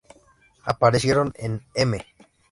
Aparecieron en "M!